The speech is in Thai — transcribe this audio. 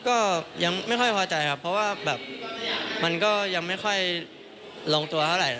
ก็ยังไม่ค่อยพอใจครับเพราะว่าแบบมันก็ยังไม่ค่อยลงตัวเท่าไหร่